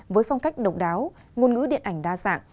với phong cách độc đáo ngôn ngữ điện ảnh đa dạng